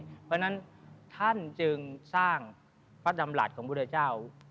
เพราะฉะนั้นท่านจึงสร้างพระดำรัฐของพุทธเจ้า